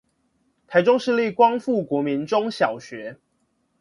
臺中市立光復國民中小學